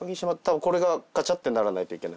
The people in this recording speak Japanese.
これがガチャってならないといけない。